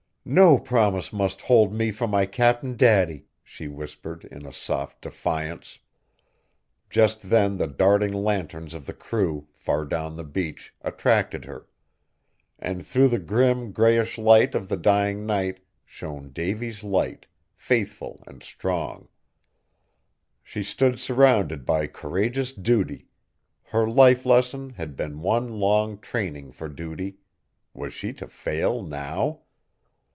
"No promise must hold me from my Cap'n Daddy!" she whispered in a soft defiance. Just then the darting lanterns of the crew, far down the beach, attracted her. And through the grim, grayish light of the dying night shone Davy's Light, faithful and strong. She stood surrounded by courageous duty. Her life lesson had been one long training for duty. Was she to fail now?